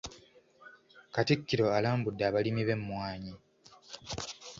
Katikkiro alambudde abalimi b’emmwanyi.